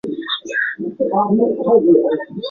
而市政府则明确保留了新球场的最初选址。